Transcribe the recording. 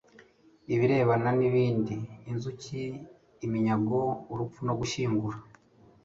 ibirebana n ibindi inzuki iminyago urupfu no gushyingura